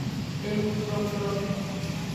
Enukplokplo.